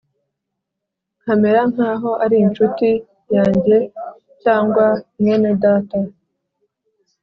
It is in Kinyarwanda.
Nkamera nk’aho ari incuti yanjye, cyangwa mwene data